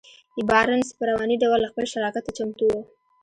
بارنس په رواني ډول خپل شراکت ته چمتو و.